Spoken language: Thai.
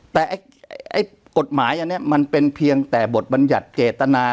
แต่กฎหมายอันนี้มันเป็นเพียงแต่บทบัญญัติเจตนา